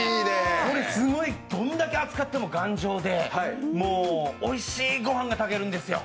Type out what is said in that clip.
これすごいどんだけ扱っても頑丈でもうおいしいご飯が炊けるんですよ。